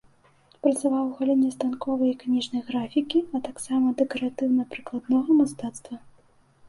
Працаваў у галіне станковай і кніжнай графікі, а таксама дэкаратыўна-прыкладнога мастацтва.